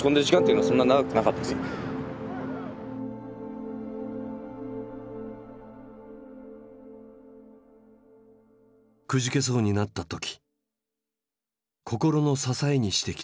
くじけそうになった時心の支えにしてきたものがある。